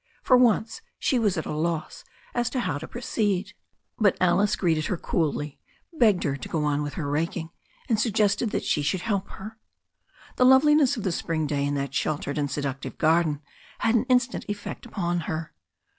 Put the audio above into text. For once she was at a loss as to how to proceed. But Alice greeted her coolly, begged her to go on with her raking, and suggested that she should help her. The loveliness of the Spring day in that sheltered and seductive garden had an instant effect upon her.